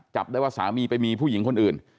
จับได้ว่าสามีไปมีผู้หญิงคนอื่น